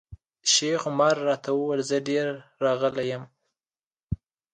شیخ عمر راته وویل زه ډېر راغلی یم.